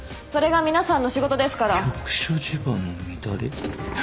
それが皆さんの仕事ですから。